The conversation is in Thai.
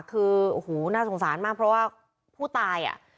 คือโอ้โหน่าสงสารมากเพราะว่าผู้ตายอ่ะ